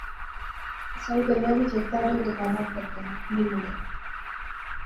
قصائی گلیا وچ، ہیک تہاڑے او دکانا اپر گیا، نی مڑیا